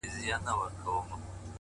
د پامیر لوري یه د ښکلي اریانا لوري ـ